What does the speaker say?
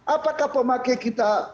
apakah pemakai kita